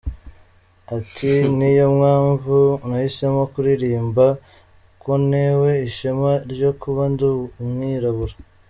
Ati “ Niyo mpamvu nahisemo kuririmba ko ntewe ishema ryo kuba ndi umwirabura.